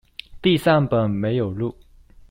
地上本沒有路